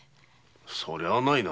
そりゃないな。